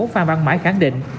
phan văn mãi khẳng định